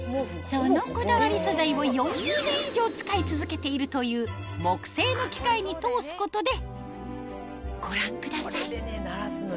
そのこだわり素材を４０年以上使い続けているという木製の機械に通すことでご覧ください